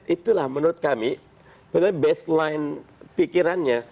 itulah menurut kami baseline pikirannya